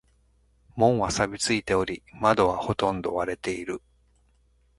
門は錆びついており、窓はほとんど割れている。